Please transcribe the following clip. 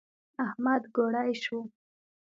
احمد ګوړۍ شو.